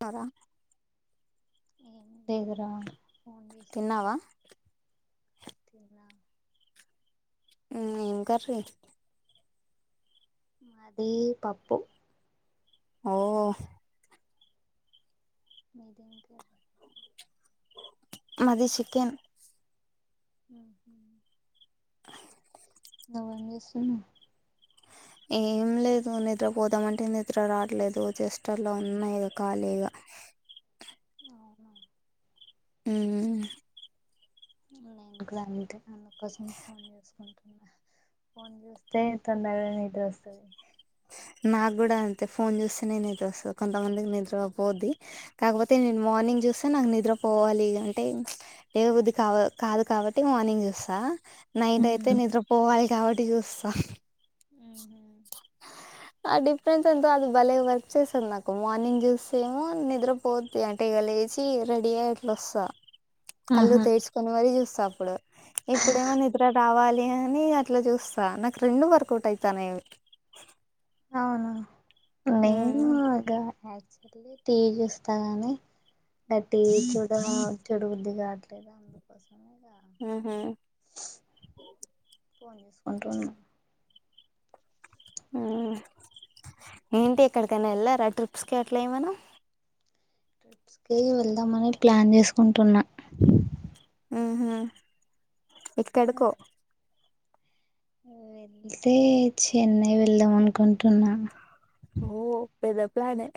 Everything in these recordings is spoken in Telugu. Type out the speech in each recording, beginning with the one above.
నర ఏ దగర ఫోన్ తిన్నావా చేసుకుంటున్న్ తిన్నా ఏం కర్రీ మాది పప్పు ఓ మీది ఏం కర్రీ మాది చికెన్ మ్మ్ నువెం చేస్తునవ్ ఏం లేదు నిద్రపోదామంటే నిద్ర రావట్లేదు జస్ట్ అట్లా ఉన్న ఈగ ఖాళీగా అవునా మ్మ్మ్ అంటే అందుకోసం ఫోన్ చూసుకుంటున్నా ఫోన్ చూస్తే తొందరగా నిద్ర వస్తది నాకు కూడా అంతే ఫోన్ చూస్తేనే నిద్ర వస్తది కొంతమందికి నిద్రపోద్ది కాకపోతే నేను మార్నింగ్ చూస్తే నాకు నిద్రపోవాలి అంటే లేవబుధి కా కాదు కాబట్టి మార్నింగ్ చూస్తా నైట్ అయితే ఉమ్. నిద్ర పోవాలి కాబట్టి చూస్తా మ్మ్ హు ఆ డిఫరెన్స్ ఎంతో అది భలే వర్క్ చేస్తది నాకు మార్నింగ్ చూస్తేమో నిద్రపోద్ది అంటే ఇక లేచి రెడీ అయ్య అట్లా వస్తా కళ్లు ఆహా తెర్చు కొని మరీ చూస్త అప్పుడు ఇప్పుడు ఏమో నిద్ర రావాలి ఏముంది అట్లా చూస్తా నాకు రెండు వర్కౌట్ అయితన్నాయి అవి అవునా నేను ఉమ్ ఆగా న్యాచురల్ టీ వీ చూస్తా గాని నా టీ వీ చూడ చుడబుద్ధి కావట్లేదు అందుకోసమే హ్మ్ హు పోన్ చూసుకుంటు ఉన్న మ్మ్ ఏంటి ఇంకా ఎక్కడికైనా వెళ్ళారా ట్రిప్ గట్ల ఏమన్నా ట్రిప్స్ కి వెళ్దాంమని ప్లాన్ చేసుకుంటున్నా హ్మ్ హు ఎక్కడకో వెళ్తే చెన్నై వెళ్దాం అనుకుంటు టున్నా ఓ పెద్ద ప్లాన్ హే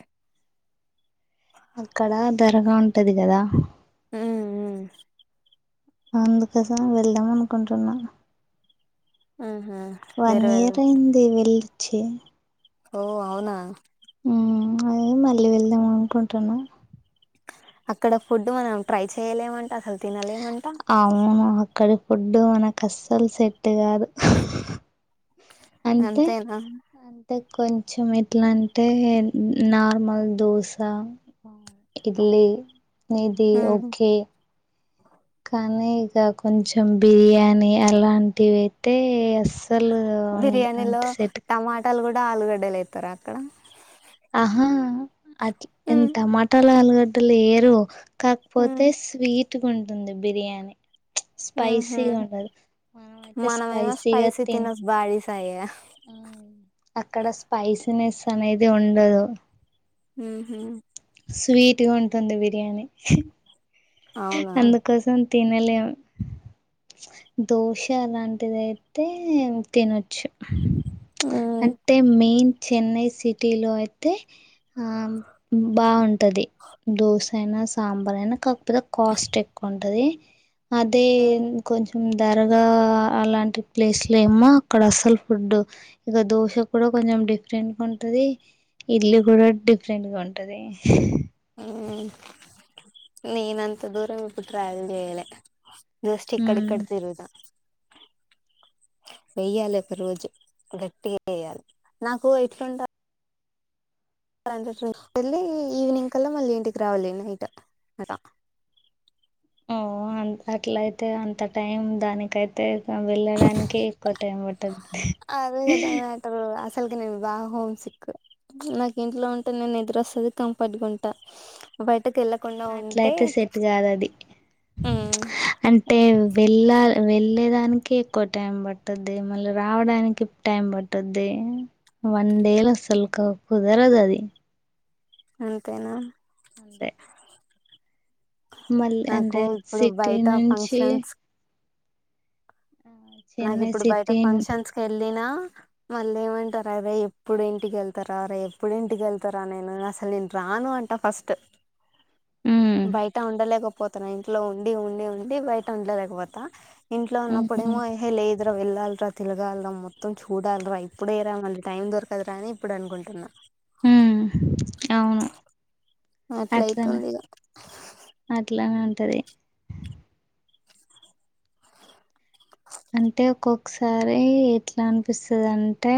అక్కడ ధరగా ఉంటది కదా మ్మ్ మ్మ్ అందుకోసం వెళ్దాం అనుకుంటున్నా ఉహు వన్ మీరు వెళ్ ఇయర్ అయింది వెళ్ళి చేే ఓ అవునా మ్మ్ అదే మళ్ళీ వెళ్దాం అనుకుంటున్న అక్కడ ఫుడ్ మనం ట్రై చెయలేమంటే అసలు తినలేమ అవునూ అక్కడె ఫుడ్డు మనక్ అస్సల్ సెట్టు కాదు అంటే అంతేనా అంటే కొంచెం ఎట్లా అంటే నార్మల్ దోశ ఇడ్లీ ఇది ఉహు ఓకే కానీ ఇక కొంచెం బిర్యానీ అలాంటివి ఐతే సల్ బిర్యానీలో అంటే సెట్ టమాటాలు కూడా ఆలుగడ్డలు ఏత్తరా అక్కడ ఆహా అట్ల్ ఉమ్ ఎంత మాట ఆలుగడ్డలు ఏయరూ కాక్పోతే ఉమ్ స్వీట్ వుంటుంది బిర్యానీ హహ స్పైసీగా ఉండదు మనమైతే మనమేమో స్పైసీగా స్పైసీ తిన్ తినస్ బాడీసాయే అక్కడ స్పైసీనెస్ అనేద్ ది ఉండదు మ్ హ్ స్వీట్ గ ఉంటుంది బిర్యానీ అవునా అందు కోసం తినలేమ్ దోశ లాంటిది అయితే తినొచ్చు ఆ అంటె మెయిన్ చెన్నై సిటీలొ అయితే ఆ బాగుంటది దోశ అయిన సాంబార్ అయిన కాక్పోతె అదే ఇ కొంచం ధరగా అలాంటి ప్లేస్లేమో అక్కడ అసల్ ఫుడ్ ఇగ దోశ కూడ కొంచెం డిఫరెంట్గా ఉంటది ఇడ్లీ కూడ డిఫరెంట్గ ఉంటది హ నేనంత దూరం ఎప్పుడు ట్రావెల్ చేయలే జస్ట్ మ్మ్. ఇక్కడిక్కడ తిరిగుత వెయ్యాలి ఒక రోజు గట్టిగా ఎయ్యాలి నాకు ఎట్లుంట అంత చూసుకెళ్ళీ ఈవినింగ్ కల్ల మళ్ళీ ఇంటికి రావాలి నైట్ అలా ఓ అంత్ అట్లయితే అంత టైం దానికైతే వెళ్ళడానికీ ఎక్కువ టైం పట్టద్ [inaudible] బాగ హోం సిక్ నాకు ఇంట్లో ఉంటేనె నిద్రొస్తది కంఫర్ట్ గుంట బైట్ అట్లయితె సెట్ గాదు అది ఉమ్ అంటే వెళ్ళాల్ వెళ్ళేదానికి ఎక్కువ టైం పట్టుద్ది మళ్ళీ రావడానికి టైం పట్టుద్ది వన్ డేలొ అసల్క్ కుదరదు అది అంతేనా అంతె మళ్ళీ నాకు అంటె ఇప్పుడు సిటీ బయట నుంచి ఫంక్షన్స్ ఆ, నాకు చెన్నై ఇప్పుడు బయట సిటీ ఫంక్షన్స్ కి యెళ్లినా మళ్ళ ఏమంటార రే ఎప్పుడు ఇంటికి వెళ్తారా రే ఎప్పుడు ఇంటికి వెళ్తారా నేను అసలు నేను రాను అంట ఫస్ట్ ఉమ్ బయట ఉండలేక పోతన ఇంట్లో ఉండి ఉండి ఉండి బయట ఉండలేకపోతా ఇంట్లో ఉహు ఉన్నప్పుడేమో ఇ వెళ్ళాలిరా తిలగాలరా మొత్తం చూడాలర ఇప్పుడే రా మళ్ళీ టైం దొరకదరా అని ఇప్పుడు అనుకుంటున్నా ఉ అట్లనె అట్లయితుంది ఇగ అట్లనె తది అంటె ఒక్కొక్కసారి ఎట్ల అనిపిస్తదంటె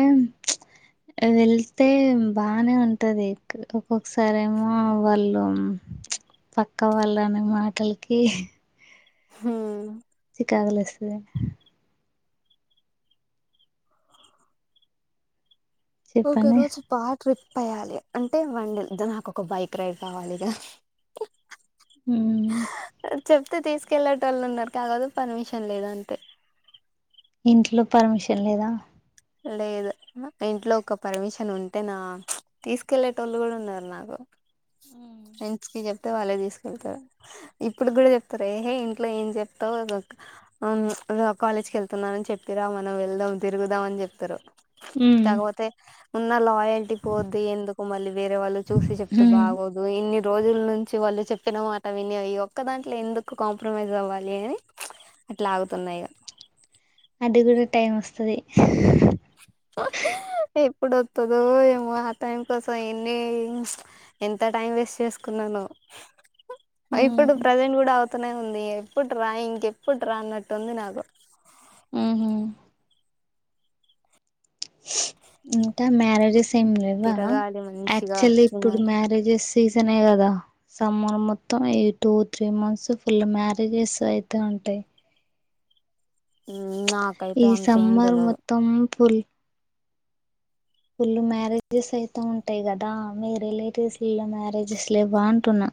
వెళ్తే బానె ఉంటది ఒక్కొక్కసారేమో వాళ్ళు పక్క వాళ్ళు అనే మాటలకి ఉ త్యాగలేస్తది చెప్పండి ఒక్కరోజు పాత్ర పోయాలి అంటే వడి నాకు ఒక బైక్ రైడ్ కావాలి ర ఉ చెప్తే తీసుకెళ్లేటోళ్లున్నారు కాకపోతె పర్మిషన్ లేదు అంతె ఇంట్లో పర్మిషన్ లేదా లేదు ఇంట్లో ఒక పర్మిషన్ ఉంటే నా తీసుకెళ్ళేటోళ్ళు గూడ ఉన్నారు నాకు ఫ్రెండ్స్ కి చెప్ప వాళ్ళే తీసుకెళ్తారు ఇప్పుడు కూడా జెప్తారు ఏహే ఇంట్లో ఏం జెప్తా కాలేజ్ క వెళ్తున్నానని చెప్పిరా మనం వెళ్దాం తిరుగుదాం అని చెప్ తరు మ్మ్ కాకపోతే ఉన్నాలోయ ల్టీ పోద్దు ఎందుకు మళ్ళీ వేరే వాళ్ళు చూసి చెప్తే మ్మ్ బాగోదు ఇన్ని రోజుల నుంచి వాళ్ళు చెప్పిన మాట విని అయ్యా ఒక్కదాంట్లో ఎందుకు కాంప్రమైజ్ అవ్వాలి అని అట్లా ఆగుతున్నాయి అది గూడా టైం వస్తది ఎప్పుడు ఒత్తుదో ఏమో ఆ టైం కోసం ఎన్ని ఎంత టైం వేస్ట్ చేసుకున్నాను మ్మ్ ఇప్పుడు ప్రజెంట్ కూడా అవుతనే ఉంది ఎప్పుడు ట్రా ఇంక ఎప్పుడు రా్రా అన్నట్టు ఉంది నాకు మ్మ్ ఇంట మ్యారేజస్ సేమ్ లేవా తిరగాలి మంచిగా యాక్చువల్లీ ఇప్పుడు తినాలి మ్యారేజెస్ సీజనే గదా సమ్మర్ మొత్తం ఈ two three months full marriages అయితే ఉంటాయి నాకైతే ఈ అంతేం సమ్మర్ తెలవదు మొత్తం ఫుల్ ఫుల్లు మ్యారేజెస్ అయితే ఉంటాయి కదా మీ రిలేటివ్స్లలో మ్యారేజెస్ లో బాగుంటున్నా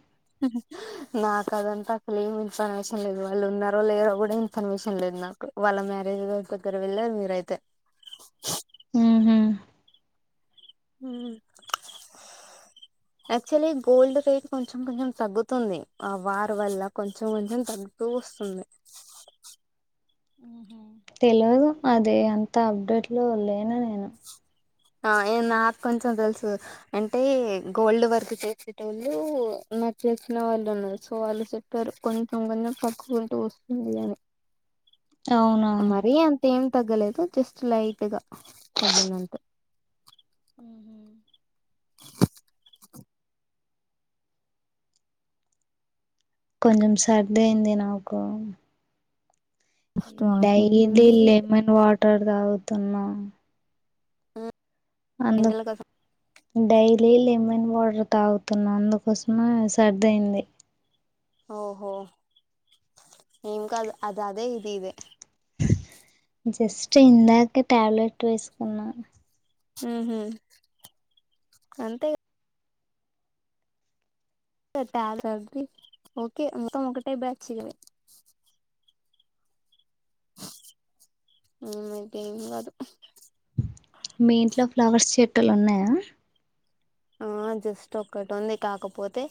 నాకు అదంతా అసలు ఏమి ఇన్ఫర్మేషన్ లేదు వాళ్ళు ఉన్నారో లేరో కూడా ఇన్ఫర్మేషన్ లేదు నాకు వాళ్ళ మ్యారేజ్ దగ్గర వెళ్ళారు మీరైతే ఊహు యాక్చువలీ గోల్డ్ రేట్ కొంచెం కొంచెం తగ్గుతుంది ఆ వార్ వల్ల కొంచెం కొంచెం తగ్గుతూ వస్తుంది తెలవదు అది అంత అప్డేట్ లో లేనా నేను ఆ నాకు కొంచెం తెలుసు అంటే గోల్డ్ వర్క్ చేసేటోళ్ళు నట్ చేసిన వాళ్ళు ఉన్నారు సో వాళ్ళు చెప్పారు కొంచెం కొంచెం పక్కుకుంటూ వస్తుంది అని అవునా మరీ అంతేం తగ్గలేదు జస్ట్ లైట్ గా తగ్గిందంతే ఊహూ కొంచెం సర్ది అయ్యింది నాకు ఈ స్టాక్ డైలింది అయింది లెమన్ వాట్ టర్ తాగుతున్నాం ఇంటల కోసం డైలీ లెమన్ వాటర్ తాగుతున్నా అందుకోసమే సర్దయ్యింది ఓహో ఏం కాదు అది అదే ఇది ఇదే జస్ట్ ఇందాకే టాబ్లెట్ వేసుకున్నా ఊహు అంతే [unintelligible] ఓకే [unintelligible] కా ఒకటే బ్యాచ్చి గదా ఉమ్మ్ అయితే ఏం కాదు మీ ఇంట్లో ఫ్లవర్స్ చెట్టులు ఉన్నాయా ఆ జస్ట్ ఒక్కటి ఉంది కాకపోతే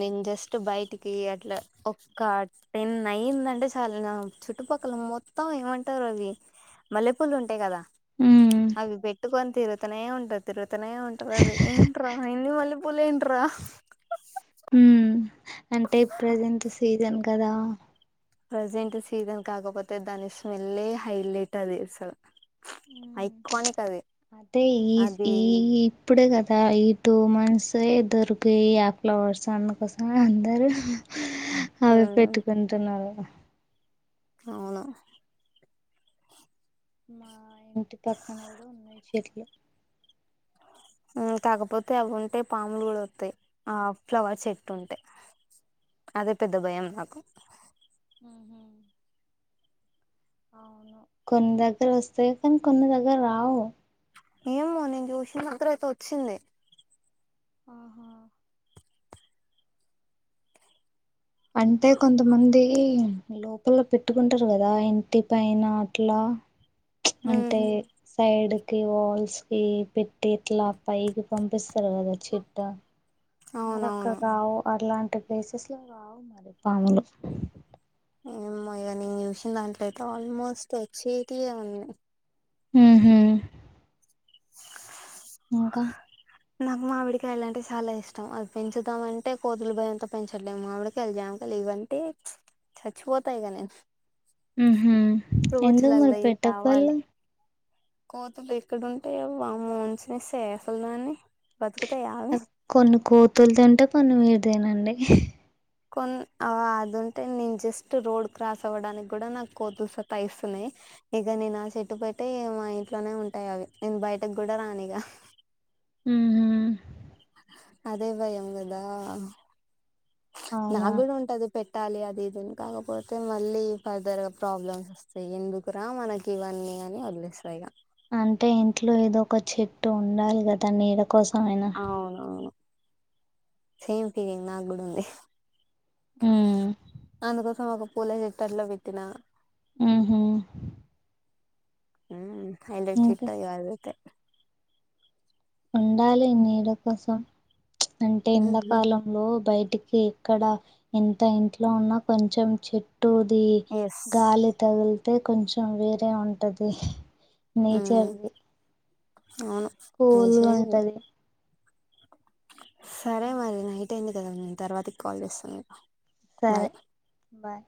నేను జస్ట్ బయటికి అట్లా ఒక్క టెన్ అయ్యిందటే చాలు నా చుట్టుపక్కల మొత్తం ఏమంటారు అవి మల్లెపూల్లు ఉంటాయి కదా ఉమ్ అవి పెట్టుకొని తిరుగుతనే ఉంటారు తిరుగు త్తనే ఉంటరు అది ఏం ట్రా ఇన్ని మల్లెపూలేంట్రా హ్మ్ అంటే ప్రజెంట్ సీజన్ కదా ప్రజెంట్ సీజన్ కాకపోతే దాని స్మెల్ ఏ హైలైట్ అది సో ఉమ్ ఐకానిక్ అది అదే ఈ అది ఈ ఇప్పుడే కదా ఈ టూ మన్ సే దొరుకయి ఆ ఫ్లవర్స్ అందుకోసమే అందరు అవి ఉమ్, పెట్టుకుంటున్నారు అవును మా ఇంటి పక్కన కూడా ఉన్నాయి చెట్లు ఉమ్మ్ కాకపోతే అవి ఉంటే పాములు కూడా వత్తాయి ఆ ఫ్లవర్ చెట్టుంటే అదే పెద్ద భయం నాకు ఆహా అవును కొన్ని దగ్గర వస్తాయి కానీ కొన్ని దగ్గర రావు ఏమో నేను చూసిన దగ్గరైతే వచ్చింది ఆహా అంటే కొంతమంది లోపల పెట్టుకుంటారు కదా ఇంటి పైన అట్లా హ్మ్ అంటే సైడు కి వాల్స్ కి పెట్టి ఇట్లా పైకి పంపిస్ [unintelligible] చిట్టా మరక్కడ అవునవును రావు అర్లాన్ టి ప్లేసెస్ లో రావు మరి పాములు ఏమో ఇగ నేను చూసిన దాంట్లో అయితే ఆల్మోస్ట్ వచ్చేటియే అన్నీ ఊహూ ఇంకా నాకు మామిడికాయలు అంటే చాలా ఇష్టం అది పెంచుదామ అంటే కోతుల భయంతో పెంచట్లేము మామిడికాయలు జామకాయలు ఇవంటే చచ్చిపోతాయి ఇగ నేను ఎందుకు మరి ఫ్రూట్స్లల్లో ఇవి పెట్టకపోయినా కావాలి ఇల్లు కోతులు ఎక్కడుంటేయ వామో ఉంచేస్తాయా అసలు దాని కొన్ని కోతులు తింటే కొన్ని మీరు తినండి [inaudible] కొన్ అదింటే నేను జస్ట్ రోడ్ క్రాస్ అవ్వడానికి కూడా నాకు కోతులు సతాయిస్తున్నాయి ఇక నేను ఆ చెట్టు పెట్టి ఏమో అయితేనే ఉంటాయి అవి నేను బయటకు కూడా రాను ఇక హ అదే భయం కదా అవునా నాకు కూడా ఉంటది పెట్టాలి అది ఇదిని కాకపోతే మళ్ళీ ఫర్దర్గా ప్రాబ్లమ్స్ వస్తాయి ఎందుకురా మనకి ఇవన్నీ అని వదిలేస్తా ఇగా అంటే ఇంట్లో ఏదో ఒక చెట్టు ఉండాలి కదా నీడ కోసమైనా సమ్ ఫీలింగ్ నాక్కూడా ఉంది ఉ అందుకోసం ఒక పూల జట్లు అట్లా పెట్టిన ఆహా అ ఏందే చిత్తగధైతే ఉండాలి నీడ కోసం అంటే ఎడాకాలంలో బయటికి ఇక్కడ ఎంత ఇంట్లో ఉన్నా కొంచెం చెట్ టుూది ఎస్ గాలి తగలి అయితే కొంచెం వేరే ఉంటది నేచర్ ది అవును నెచెర్‌ సరే మరినయి అటేంది కదా నేను తర్వాతకి కాల్ చేస్తా మీకు సరే బాయ్ బాయ్